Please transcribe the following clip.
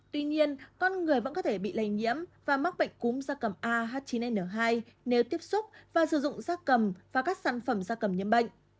tuy nhiên con người vẫn có thể bị lây nhiễm và mắc bệnh cúm gia cầm ah chín n hai nếu tiếp xúc và sử dụng da cầm và các sản phẩm da cầm nhiễm bệnh